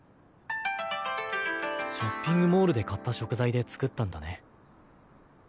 ショッピングモールで買った食材で作ったんだね。